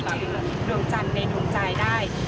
ในงานวันลำนึกราชนีร์นักร้องลูกทุ่ง